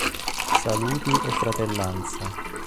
Saluti e fratellanza.